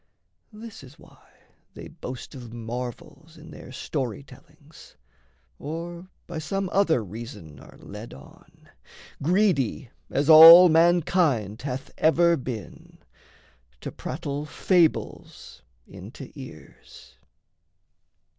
This is why They boast of marvels in their story tellings; Or by some other reason are led on Greedy, as all mankind hath ever been, To prattle fables into ears.